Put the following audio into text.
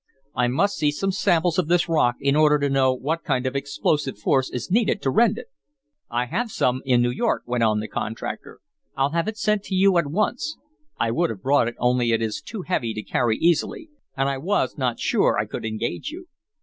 I must see some samples of this rock in order to know what kind of explosive force is needed to rend it." "I have some in New York," went on the contractor. "I'll have it sent to you at once. I would have brought it, only it is too heavy to carry easily, and I was not sure I could engage you."